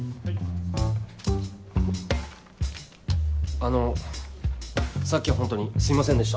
あのさっきはホントにすいませんでした。